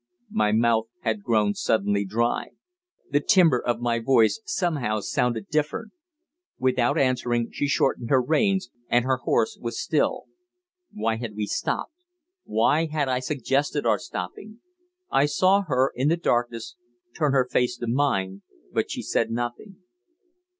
My mouth had grown suddenly dry. The timbre of my voice somehow founded different. Without answering she shortened her reins, and her horse was still. Why had we stopped? Why had I suggested our stopping? I saw her, in the darkness, turn her face to mine, but she said nothing.